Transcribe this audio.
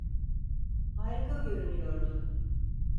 Harika görünüyordu.